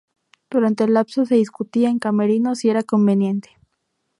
Durante el lapso se discutía en camerinos si era conveniente.